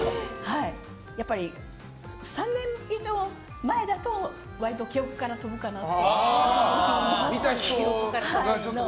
やっぱり、３年以上前だと割と記憶から飛ぶかなと思って。